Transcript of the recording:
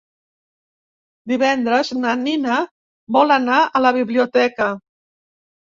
Divendres na Nina vol anar a la biblioteca.